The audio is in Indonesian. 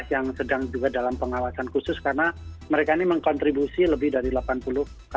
yang sedang juga dalam pengawasan khusus karena mereka ini mengkontribusi lebih dari delapan puluh orang